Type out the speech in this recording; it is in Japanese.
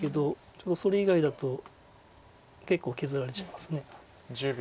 ちょっとそれ以外だと結構削られちゃいます。